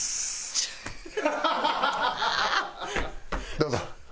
どうぞ。